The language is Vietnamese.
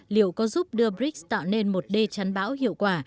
liệu có giúp đưa brics tạo nên một đê chắn bão hiệu quả